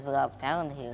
ada banyak talenta di sini